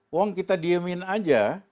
uang kita diemin aja